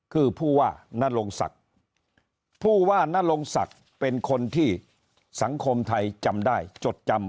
คือผู้ว่านรงศักดิ์ผู้ว่านรงศักดิ์เป็นคนที่สังคมไทยจำได้จดจำ